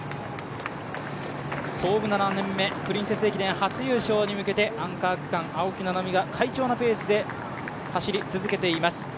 創部７年目、プリンセス駅伝初優勝に向けてアンカー区間、青木奈波が快調なペースで走り続けています。